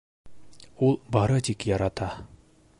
Ул бары тик ярата!